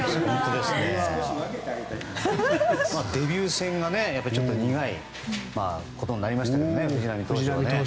デビュー戦が苦いことになりましたけど藤浪投手はね。